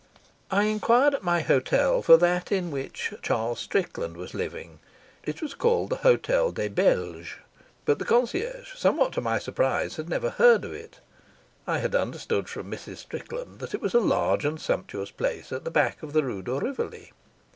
I enquired at my hotel for that in which Charles Strickland was living. It was called the Hotel des Belges. But the concierge, somewhat to my surprise, had never heard of it. I had understood from Mrs. Strickland that it was a large and sumptuous place at the back of the Rue de Rivoli.